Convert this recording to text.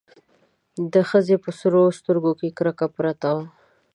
د ښځې په سرو سترګو کې کرکه پرته وه.